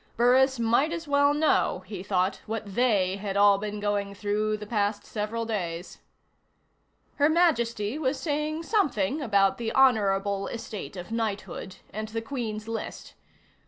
Burris might as well know, he thought, what they had all been going through the past several days. Her Majesty was saying something about the honorable estate of knighthood, and the Queen's list.